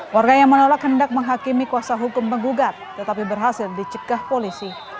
warga yang menolak hendak menghakimi kuasa hukum menggugat tetapi berhasil dicegah polisi